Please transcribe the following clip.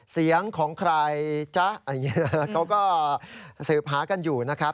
เสียงของใครจ๊ะเขาก็สืบหากันอยู่นะครับ